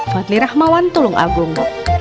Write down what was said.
fadli rahmawan tulung agung